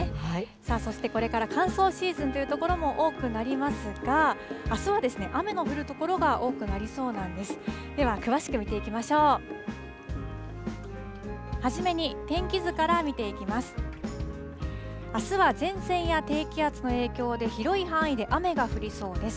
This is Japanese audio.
そして、これから乾燥シーズンという所も多くなりますが、あすは雨の降る所が多くなりそうなんです。